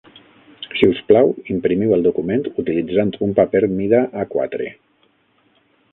Si us plau, imprimiu el document utilitzant un paper mida A-quatre.